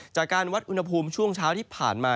จากการวัดอุณหภูมิช่วงเช้าที่ผ่านมา